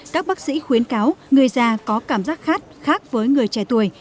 các bác sĩ khuyến cáo người già có cảm giác khác với người trẻ tuổi